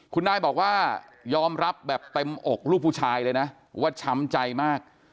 คุณนายบอกว่ายอมรับแบบเต็มอกลูกผู้ชายเลยนะว่าช้ำใจมาก